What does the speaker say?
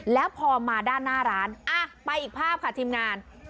แล้วพอมาด้านหน้าร้านไปอีกภาพค่ะทีมงาน